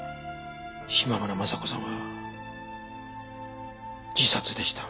島村昌子さんは自殺でした。